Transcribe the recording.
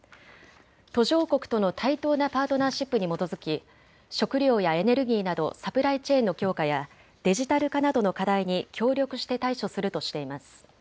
途上国との対等なパートナーシップに基づき食料やエネルギーなどサプライチェーンの強化やデジタル化などの課題に協力して対処するとしています。